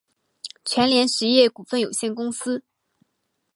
全联实业股份有限公司